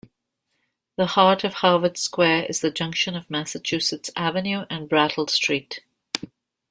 The heart of Harvard Square is the junction of Massachusetts Avenue and Brattle Street.